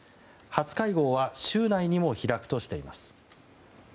初会合は週内にも開くとしています。